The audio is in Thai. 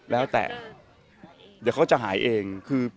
แล้วแต่เดี๋ยวเขาจะหายเองคือ